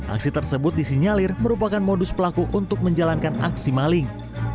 aksi tersebut disinyalir merupakan modus pelaku untuk menjalankan aksi maling